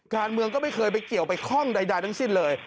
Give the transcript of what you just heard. การเมืองก็ไม่เคยไปเกี่ยวไปข้องใดทั้งสิ้นเลย